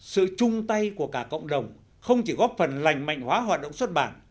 sự chung tay của cả cộng đồng không chỉ góp phần lành mạnh hóa hoạt động xuất bản